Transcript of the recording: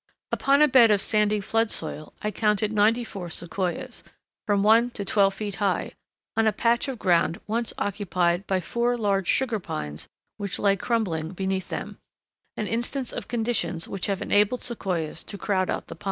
Upon a bed of sandy flood soil I counted ninety four Sequoias, from one to twelve feet high, on a patch, of ground once occupied by four large Sugar Pines which lay crumbling beneath them,—an instance of conditions which have enabled Sequoias to crowd out the pines.